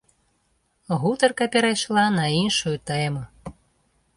Гутарка перайшла на іншую тэму.